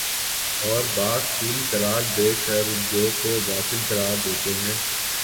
اور بعض تین قرار دے کررجوع کو باطل قرار دیتے ہیں